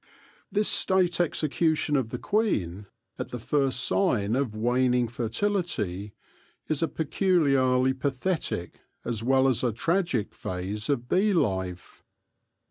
This State execution of the queen, at the first sign of waning fertility, is a peculiarly pathetic as well as a tragic phase of bee life.